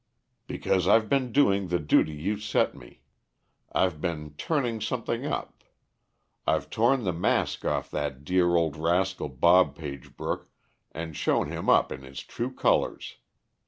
"Because I've been doing the duty you set me. I've been 'turning something up.' I've torn the mask off of that dear old rascal Bob Pagebrook, and shown him up in his true colors.